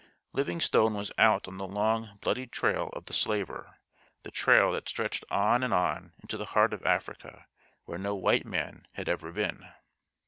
Livingstone was out on the long, bloody trail of the slaver, the trail that stretched on and on into the heart of Africa where no white man had ever been.